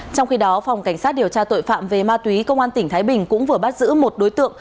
trong khi đó phòng cảnh sát điều tra tội phạm về ma túy công an tỉnh thái bình cũng vừa bắt giữ một đối tượng